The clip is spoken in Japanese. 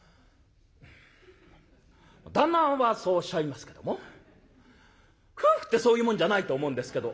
「旦那はそうおっしゃいますけども夫婦ってそういうもんじゃないと思うんですけど」。